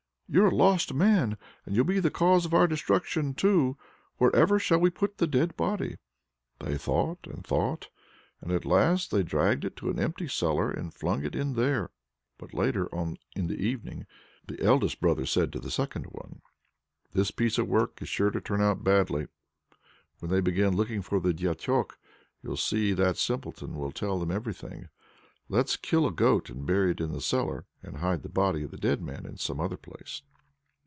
"You're a lost man, and you'll be the cause of our destruction, too! Wherever shall we put the dead body?" They thought and thought, and at last they dragged it to an empty cellar and flung it in there. But later on in the evening the eldest brother said to the second one: "This piece of work is sure to turn out badly. When they begin looking for the Diachok, you'll see that Simpleton will tell them everything. Let's kill a goat and bury it in the cellar, and hide the body of the dead man in some other place."